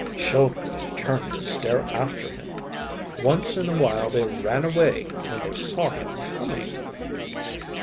Children turned to stare after him; once in a while they ran away when they saw him coming.